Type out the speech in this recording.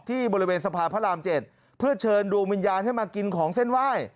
ที่บริเวณสะพานพระราม๗เพื่อเชิญดวงวิญญาณให้มากินของเส้นไหว้